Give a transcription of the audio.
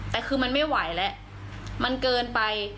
แต่คือมันไม่ไหวแล้วมันเกินไป